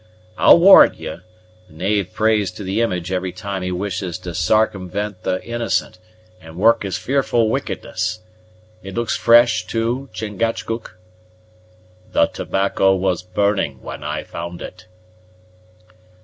I'll warrant ye, the knave prays to the image every time he wishes to sarcumvent the innocent, and work his fearful wickedness. It looks fresh, too, Chingachgook?" "The tobacco was burning when I found it."